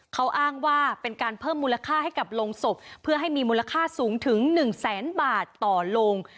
เขาอ้างว่าเป็นการเพิ่มมูลค่าให้กับโรงศพเพื่อให้มีมูลค่าสูงถึง๑แสนบาทต่อโรง